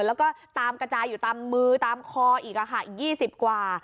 แล้วก็ตามกระจายอยู่ตามมือตามคออีก๒๐กว่า